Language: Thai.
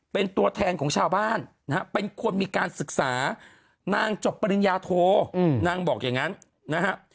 เป็นตัวแทนของชาวบ้านนะฮะเป็นคนมีการศึกษานางจบปริญญาโทนางบอกอย่างนั้นนะฮะ